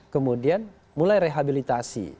kemudian mulai rehabilitasi